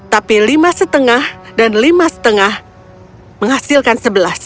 tapi lima setengah dan lima setengah menghasilkan sebelas